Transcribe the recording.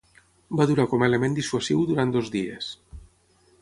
Va durar com a element dissuasiu durant dos dies.